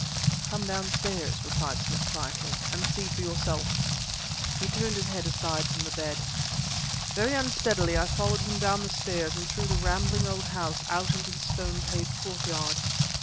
"Come downstairs," replied Smith quietly, "and see for yourself." He turned his head aside from the bed. Very unsteadily I followed him down the stairs and through the rambling old house out into the stone paved courtyard.